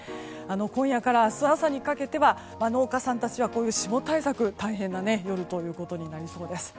今夜から明日朝にかけては農家さんたちはこういう霜対策が大変になりそうです。